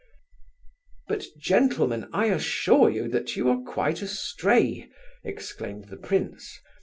"But, gentlemen, I assure you that you are quite astray," exclaimed the prince.